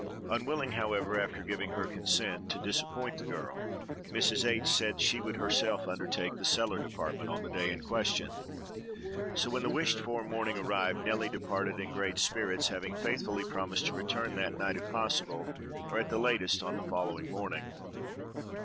Unwilling, however, after giving her consent, to disappoint the girl, Mrs. H—— said that she would herself undertake the cellar department on the day in question; so when the wished for morning arrived, Nelly departed in great spirits, having faithfully promised to return that night, if possible, or, at the latest, the following morning.